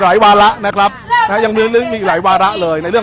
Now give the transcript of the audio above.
ยังมีหลายวาระเลย